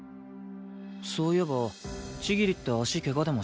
そういえば千切って足怪我でもしてるの？